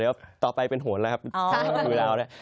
เดี๋ยวต่อไปเป็นหวนแล้วค่ะ